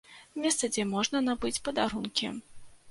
Месца, дзе можна набыць падарункі.